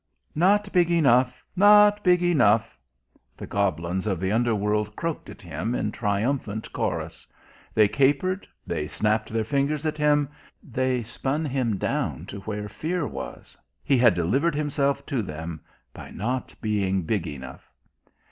"Not big enough! Not big enough!" the goblins of the underworld croaked at him in triumphant chorus.... They capered ... they snapped their fingers at him ... they spun him down to where fear was ... he had delivered himself to them, by not being big enough.